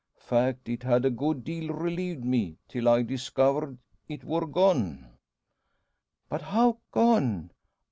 Fact, it had a good deal relieved me, till I discovered it wor gone." "But how gone?